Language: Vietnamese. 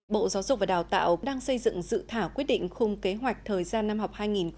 bộ giáo dục và đào tạo đang xây dựng dự thảo quyết định khung kế hoạch thời gian năm học hai nghìn hai mươi hai nghìn hai mươi một